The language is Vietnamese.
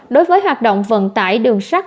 đối với hoạt động vận tải đường sắt